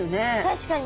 確かに。